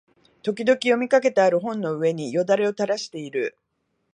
時々読みかけてある本の上に涎をたらしている